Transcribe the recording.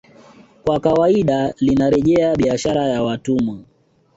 Kwa kawaida linarejea biashara ya watumwa